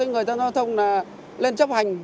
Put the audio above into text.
người tham gia giao thông lên chấp hành